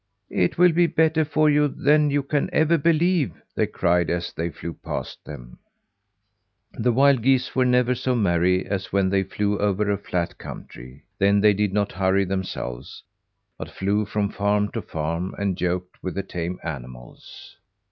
"It will be better for you than you can ever believe," they cried as they flew past them. The wild geese were never so merry as when they flew over a flat country. Then they did not hurry themselves, but flew from farm to farm, and joked with the tame animals.